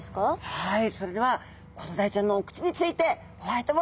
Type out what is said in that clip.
はい！